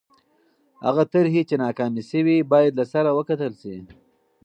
هغه طرحې چې ناکامې سوې باید له سره وکتل سي.